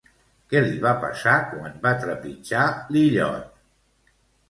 Què li va passar quan va trepitjar l'illot?